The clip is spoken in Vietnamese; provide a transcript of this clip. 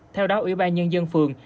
theo đó ủy ban nhân dân phường